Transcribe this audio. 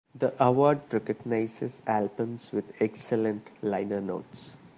The award recognizes albums with excellent liner notes.